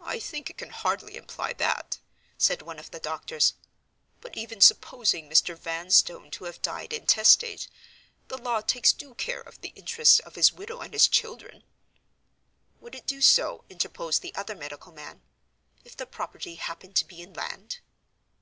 "I think it can hardly imply that," said one of the doctors. "But, even supposing Mr. Vanstone to have died intestate, the law takes due care of the interests of his widow and his children—" "Would it do so," interposed the other medical man, "if the property happened to be in land?"